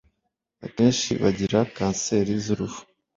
"Akenshi bagira kanseri z'uruhu,